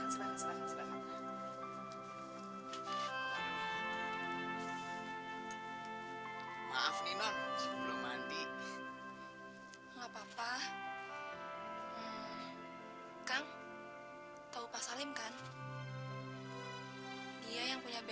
cepetan nanti bahasa kamu abis